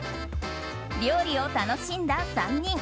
料理を楽しんだ３人。